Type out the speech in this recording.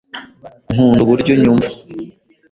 Nkunda uburyo unyumva.